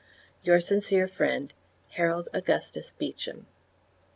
Your sincere friend, HAROLD AUGUSTUS BEECHAM.